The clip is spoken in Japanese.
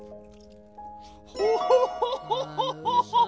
ホホホホホホホ！